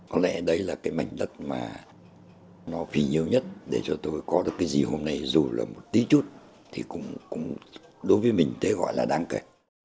có lẽ đây là cái mảnh đất mà nó phi nhiều nhất để cho tôi có được cái gì hôm nay dù là một tí chút thì cũng đối với mình tên gọi là đáng kể